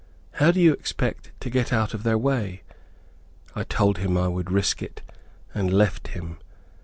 How do you expect to get out of their way?" I told him I would risk it, and left him.